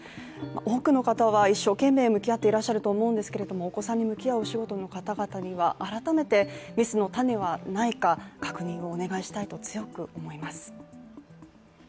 多くの方は一生懸命向き合っていると思うんですけれども、お子さんに向き合うお仕事の方々には改めてミスの種はないか、確認をお願いしたいと強く思います。